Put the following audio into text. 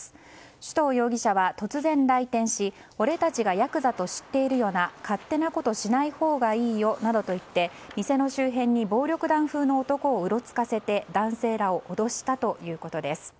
首藤容疑者は突然、来店し俺たちがヤクザと知っているよな勝手なことしないほうがいいよなどと言って店の周辺の暴力団風の男をうろつかせて男性らを脅したということです。